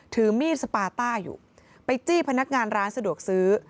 ถือมีดสปาต้าอยู่ไปจี้พนักงานร้านสะดวกซื้อ